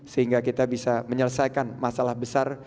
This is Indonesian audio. sehingga kita bisa menyelesaikan masalah besar